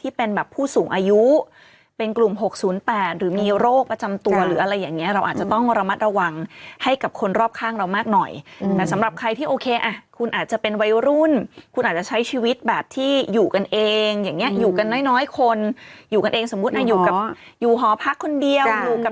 ที่เป็นแบบผู้สูงอายุเป็นกลุ่มหกศูนย์แปดหรือมีโรคประจำตัวหรืออะไรอย่างเงี้ยเราอาจจะต้องระมัดระวังให้กับคนรอบข้างเรามากหน่อยอืมแต่สำหรับใครที่โอเคอ่ะคุณอาจจะเป็นวัยรุ่นคุณอาจจะใช้ชีวิตแบบที่อยู่กันเองอย่างเงี้ยอยู่กันน้อยน้อยคนอยู่กันเองสมมุติอ่ะอยู่กับอยู่หอพักคนเดียวอยู่กั